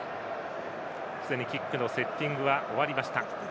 すでにキックのセッティングは終わりました。